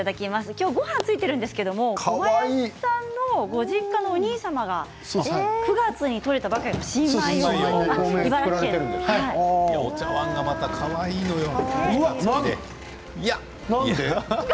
今日、ごはんついているんですが小林さんのご実家のお兄様が９月にとれたばかりの新米をお茶わんがまたかわいいのよ。